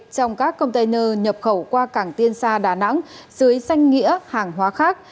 trong các container nhập khẩu qua cảng tiên xa đà nẵng dưới danh nghĩa hàng hóa khác